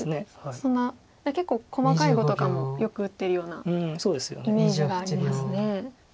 そんな結構細かい碁とかもよく打ってるようなイメージがあります。